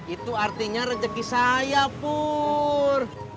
itu artinya rezeki saya pur